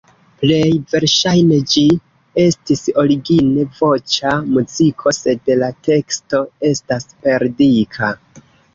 Plej verŝajne ĝi estis origine voĉa muziko, sed la teksto estas perdita.